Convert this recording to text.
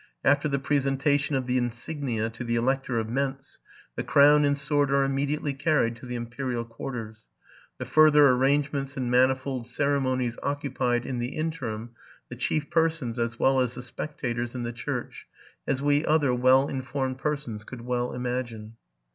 After the presentation of the insignia to the Elector of Mentz, the crown and sword are immediately carried to the imperial quarters. The further arrangements and manifold ceremo nies occupied, in the interim, the chief persons, as well as the spectators, in the church, as we other well informed per sons could well imagine.